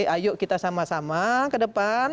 ayo kita sama sama ke depan